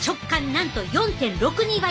なんと４．６２倍！